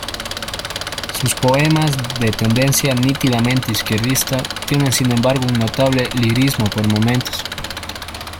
Sus poemas, de tendencia nítidamente izquierdista, tienen sin embargo un notable lirismo por momentos.